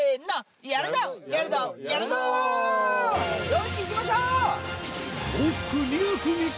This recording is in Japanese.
よし行きましょう！